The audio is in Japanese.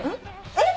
えっ！